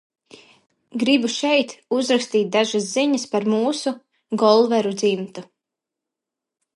Gribu šeit uzrakstīt dažas ziņas par mūsu – Golveru dzimtu.